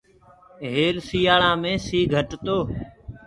هيل سٚيآݪيآ مي سي گھٽ تو۔